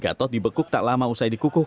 gatot dibekuk tak lama usai dikukuh